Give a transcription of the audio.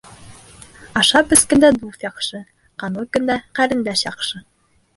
Ашап-эскәндә дуҫ яҡшы, ҡанлы көндә ҡәрендәш яҡшы.